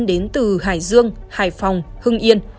đến từ hải dương hải phòng hưng yên